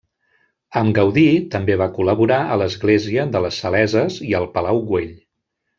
Amb Gaudí també va col·laborar a l'església de les Saleses i al Palau Güell.